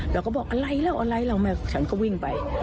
เราก็บอกอะไรแล้วอะไรเราฉันก็วิ่งไป